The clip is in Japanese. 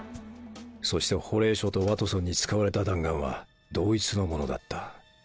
そしてホレイショとワトソンに使われた弾丸は同一のものだった